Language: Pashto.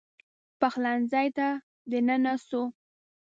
پخلنځي ته دننه سو